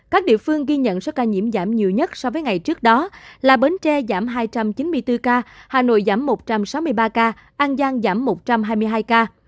các địa phương ghi nhận số ca nhiễm giảm nhiều nhất so với ngày trước đó là bến tre giảm hai trăm chín mươi bốn ca hà nội giảm một trăm sáu mươi ba ca an giang giảm một trăm hai mươi hai ca